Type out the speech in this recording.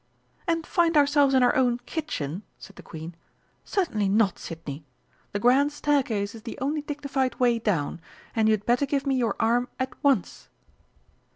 "And find ourselves in our own kitchen!" said the Queen. "Certainly not, Sidney! The grand staircase is the only dignified way down, and you had better give me your arm at once."